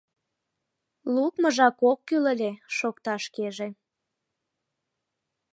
Лукмыжак ок кӱл ыле, — шокта шкеже.